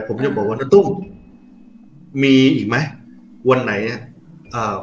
ผมยังบอกว่าณตุ้มมีอีกไหมวันไหนอ่ะอ่า